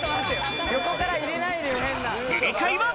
正解は。